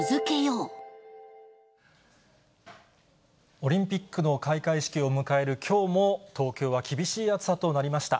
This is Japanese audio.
オリンピックの開会式を迎えるきょうも東京は厳しい暑さとなりました。